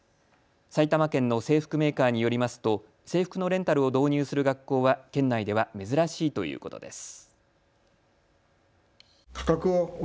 埼玉県の制服メーカーによりますと制服のレンタルを導入する学校は県内では珍しいということです。